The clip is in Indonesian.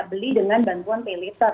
nah beli dengan bantuan paylater